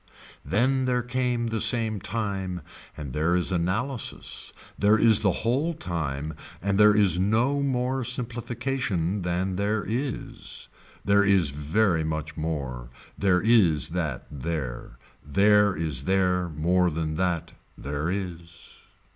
Then there came the same time and there is analysis, there is the whole time and there is no more simplification than there is. There is very much more. There is that there. There is there more than that. There is.